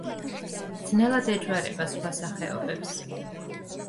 ძნელად ეჯვარება სხვა სახეობებს.